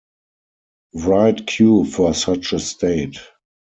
Write "q" for such a state.